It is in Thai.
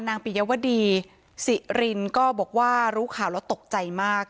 ปิยวดีสิรินก็บอกว่ารู้ข่าวแล้วตกใจมาก